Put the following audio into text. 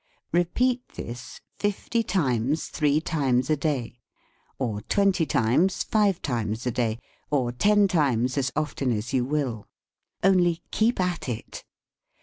Repeat this fifty times, three times a day, or twenty times, five times a day, or ten times, as often as you will. Only, keep at it.